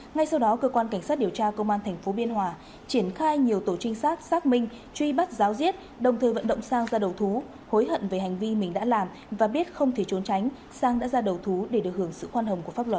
ngay sau đó cơ quan cảnh sát điều tra công an tp biên hòa triển khai nhiều tổ trinh sát xác minh truy bắt giáo diết đồng thời vận động sang ra đầu thú hối hận về hành vi mình đã làm và biết không thể trốn tránh sang đã ra đầu thú để được hưởng sự khoan hồng của pháp luật